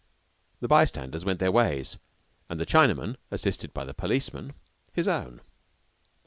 The by standers went their ways, and the Chinaman, assisted by the policeman, his own.